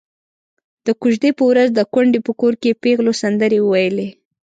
د کوژدې په ورځ د کونډې په کور کې پېغلو سندرې وويلې.